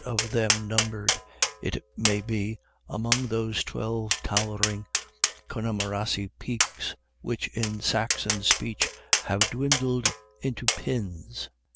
of them num bered, it may be, among those twelve towering Connemarese peaks, which in Saxon speech have dwindled into Pins.